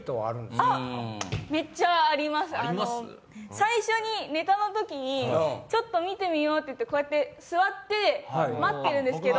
最初にネタの時にちょっと見てみようって言ってこうやって座って待ってるんですけど。